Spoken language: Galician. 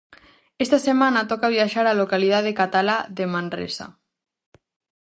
Esta semana toca viaxar á localidade catalá de Manresa.